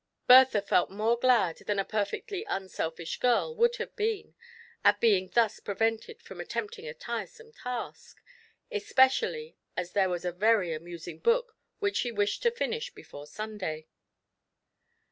Bertha felt more glad than a perfectly unselfish girl would have been, at being thus prevented from attempting a tiresome task, especially as there was a very amusing book which she wished to finish before Sunday.